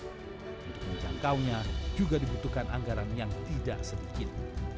untuk menjangkaunya juga dibutuhkan anggaran yang tidak sedikit